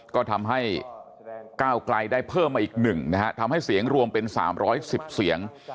ก็ทำให้ก้าวไกลได้เพิ่มมาอีก๑นะฮะทำให้เสียงรวมเป็น๓๑๐เสียง